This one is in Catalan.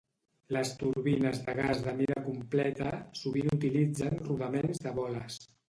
Les turbines de gas de mida completa sovint utilitzen rodaments de boles.